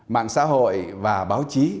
mạng xã hội và báo chí